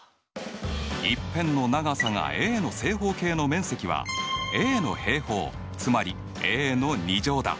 一辺の長さがａの正方形の面積はａの平方つまりａの２乗だ。